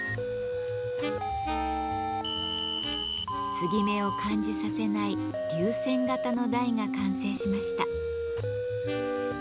継ぎ目を感じさせない流線形の台が完成しました。